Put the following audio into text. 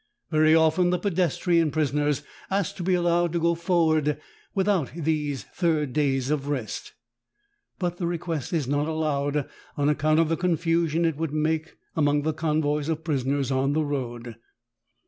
Very often the pedestrian prisoners ask to be allowed to go forward without these third days of rest, but the request is not allowed on account of the confusion it would make among the convoys of prisoners on the road.